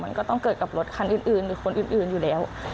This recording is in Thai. มันก็ต้องเกิดกับรถคันอื่นหรือคนอื่นอยู่แล้ว